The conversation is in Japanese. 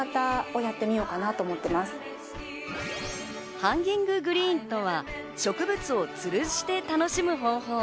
ハンギンググリーンとは植物をつるして楽しむ方法。